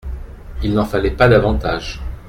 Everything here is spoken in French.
Il n'en fallait pas davantage.